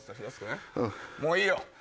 もういいよ。